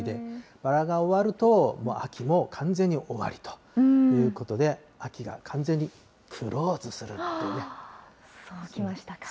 バラが終わると、もう秋も完全に終わりということで、秋が完全にクローズするってそう来ましたか。